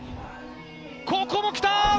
ここもきた！